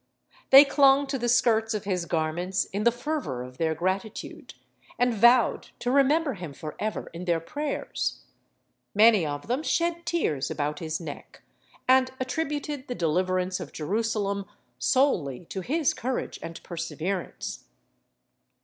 They clung to the skirts of his garments in the fervour of their gratitude, and vowed to remember him for ever in their prayers. Many of them shed tears about his neck, and attributed the deliverance of Jerusalem solely to his courage and perseverance.